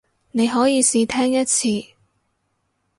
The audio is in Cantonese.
你可以試聽一次